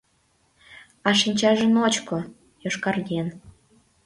А шинчаже ночко, йошкарген.